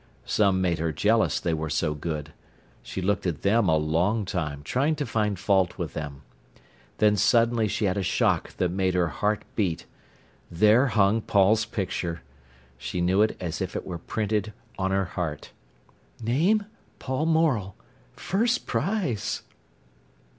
Some made her jealous, they were so good. She looked at them a long time trying to find fault with them. Then suddenly she had a shock that made her heart beat. There hung Paul's picture! She knew it as if it were printed on her heart. "Name—Paul Morel—First Prize."